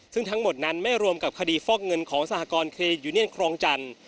ซึ่งทั้งหมดนั้นไม่รวมกับคดีฟอกเงินของสหกรณ์เครดยูเนียนครองจันทร์